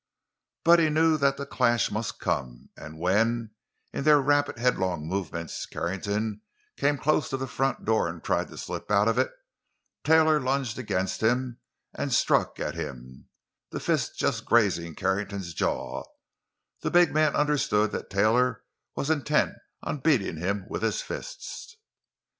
But he knew that the clash must come, and when, in their rapid, headlong movements, Carrington came close to the front door and tried to slip out of it, Taylor lunged against him and struck at him, the fist just grazing Carrington's jaw, the big man understood that Taylor was intent on beating him with his fists.